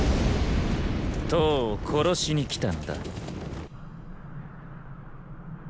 騰を殺しに来たのだ。